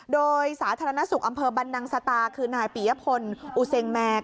โดยสาธารณสุขอำเภอบรรนังสตาคือนายปียพลอุเซงแมน